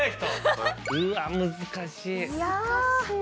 うわ難しい。